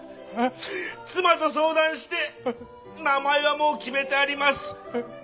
「妻と相談して名前はもう決めてあります。